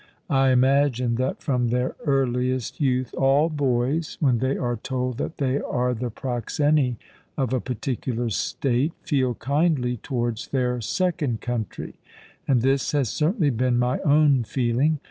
I imagine that from their earliest youth all boys, when they are told that they are the proxeni of a particular state, feel kindly towards their second country; and this has certainly been my own feeling.